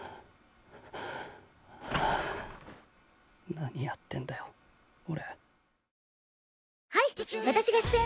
何やってんだよ俺。